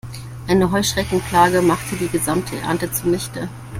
Eine Heuschreckenplage machte die gesamte Ernte zunichte.